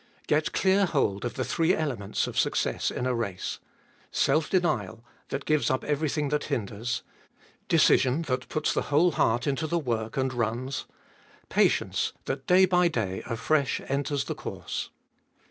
1. Qet clear hold of the three elements of success in a race: self denial, that gives up every thing that hinders ; decision, that puts the whole heart Into the work, and runs ; patience, that day by day afresh enters the course.